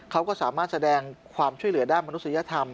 เขาก็สามารถแสดงความช่วยเหลือด้านมนุษยธรรม